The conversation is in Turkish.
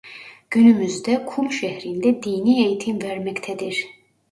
Günümüzde Kum şehrinde dini eğitim vermektedir.